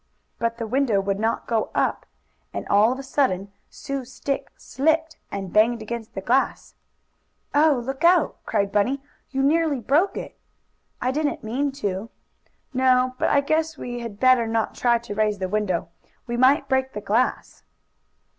But the window would not go up, and all of a sudden Sue's stick slipped and banged against the glass. "Oh! Look out!" cried Bunny. "You nearly broke it." "I didn't mean to." "No. But I guess we'd better not try to raise the window. We might break the glass."